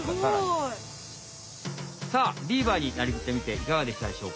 すごい！さあビーバーになりきってみていかがでしたでしょうか？